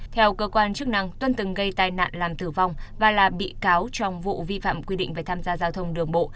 theo cơ quan chức năng tuân từng gây tai nạn làm tử vong và là bị cáo trong vụ vi phạm quy định về tham gia giao thông đường bộ